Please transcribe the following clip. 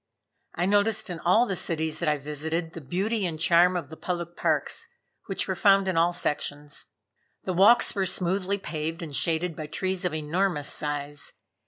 I noticed in all the cities that I visited the beauty and charm of the public parks, which were found in all sections. The walks were smoothly paved and shaded by trees of enormous size.